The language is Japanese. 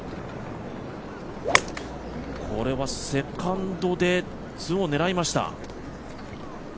これはセカンドで２オンを狙いました。